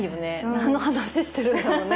何の話してるんだろうね